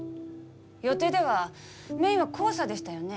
予定ではメインは黄砂でしたよね？